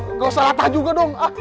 nggak usah apa juga dong